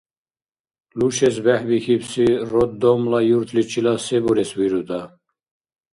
Лушес бехӀбихьибси роддомла юртличила се бурес вируда?